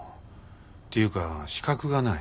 っていうか資格がない。